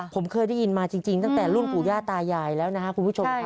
ผมเคยได้ยินมาจริงตั้งแต่รุ่นปู่ย่าตายายแล้วนะครับคุณผู้ชมครับ